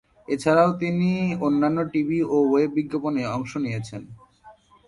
এছাড়াও তিনি অন্যান্য টিভি ও ওয়েব বিজ্ঞাপনে অংশ নিয়েছেন।